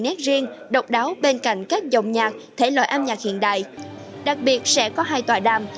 nét riêng độc đáo bên cạnh các dòng nhạc thể loại âm nhạc hiện đại đặc biệt sẽ có hai tòa đàm